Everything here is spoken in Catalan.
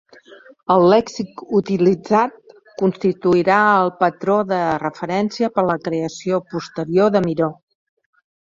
El lèxic utilitzat constituirà el patró de referència per a la creació posterior de Miró.